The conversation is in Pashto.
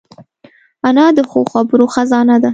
انا د ښو خبرو خزانه ده